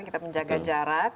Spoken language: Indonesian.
kita menjaga jarak